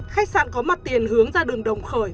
khách sạn có mặt tiền hướng ra đường đồng khởi